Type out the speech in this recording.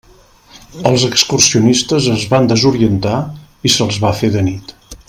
Els excursionistes es van desorientar i se'ls va fer de nit.